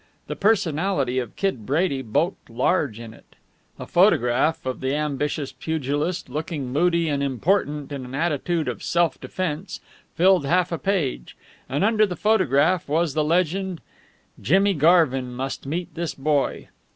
The personality of Kid Brady bulked large in it. A photograph of the ambitious pugilist, looking moody and important in an attitude of self defense, filled half a page, and under the photograph was the legend, "Jimmy Garvin must meet this boy."